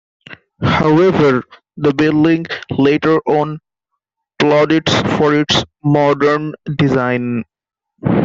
However, the building later won plaudits for its modern design.